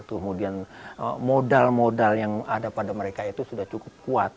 kemudian modal modal yang ada pada mereka itu sudah cukup kuat